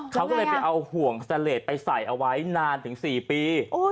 เขาก็เลยเอาห่วงเซลล์สไปใส่ไว้นานถึง๔ปี